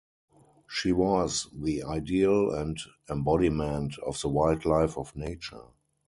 She was the ideal and embodiment of the wild life of nature.